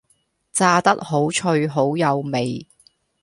炸得好脆好有味